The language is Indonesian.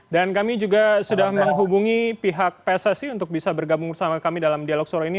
dan kami juga sudah menghubungi pihak pssi untuk bisa bergabung bersama kami dalam dialog sore ini